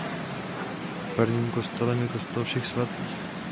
Farním kostelem je kostel Všech svatých.